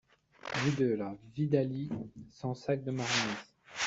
Rue de la Vidalie, Sansac-de-Marmiesse